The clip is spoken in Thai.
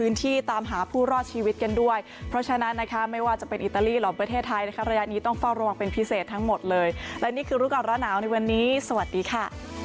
นี้สวัสดีค่ะ